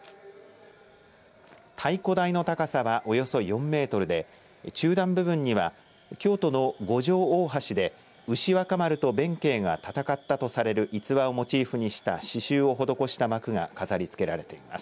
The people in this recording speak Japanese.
太鼓台の高さはおよそ４メートルで中段部分には京都の五条大橋で牛若丸と弁慶が戦ったとされる逸話をモチーフにした刺しゅうを施した幕が飾りつけられています。